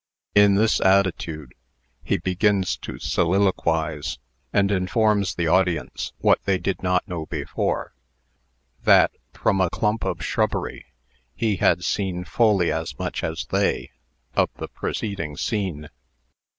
In this attitude, he begins to soliloquize, and informs the audience (what they did not know before) that, from a clump of shrubbery, he had seen fully as much as they of the preceding scene.